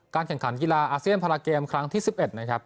แข่งขันกีฬาอาเซียนพาราเกมครั้งที่๑๑นะครับ